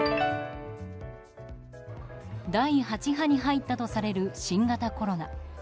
第８波に入ったとされる新型コロナ。